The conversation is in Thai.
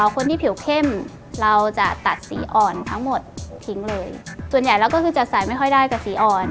คนที่ผิวเข้มเราจะตัดสีอ่อนทั้งหมดทิ้งเลยส่วนใหญ่แล้วก็คือจะใส่ไม่ค่อยได้กับสีอ่อน